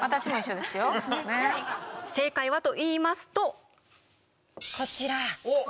正解はといいますとこちら。おっ。